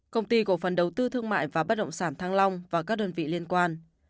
công ty cổ phần đầu tư thương mại và bất động sản thăng long và các đơn vị liên quan